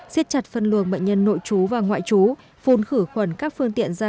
xiết chặt phân luồng bệnh nhân nội chú và ngoại trú phun khử khuẩn các phương tiện ra